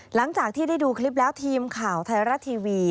หลังจากที่ได้ดูคลิปแล้วทีมข่าวไทยรัฐทีวี